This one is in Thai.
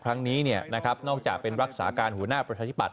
ครั้งนี้เนี่ยนะครับนอกจากเป็นรักษาการหัวหน้าประชาชิบัตร